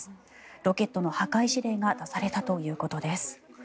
ロケットの破壊指令が出されたということです。